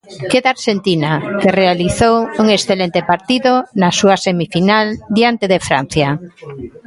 Queda Arxentina, que realizou un excelente partido na súa semifinal diante de Francia.